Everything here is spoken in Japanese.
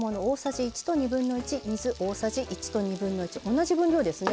同じ分量ですね。